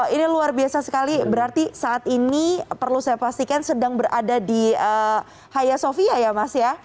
ini luar biasa sekali berarti saat ini perlu saya pastikan sedang berada di haya sofia ya mas ya